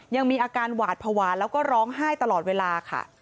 ยังมีอาการหวาดภาวะแล้วก็ร้องไห้ตลอดเวลาค่ะ